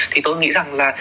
thì tôi nghĩ rằng là